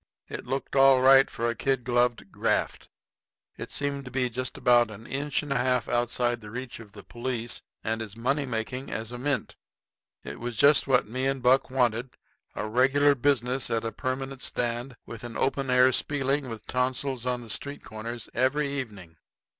It looked all right for a kid gloved graft. It seemed to be just about an inch and a half outside of the reach of the police, and as money making as a mint. It was just what me and Buck wanted a regular business at a permanent stand, with an open air spieling with tonsilitis on the street corners every evening.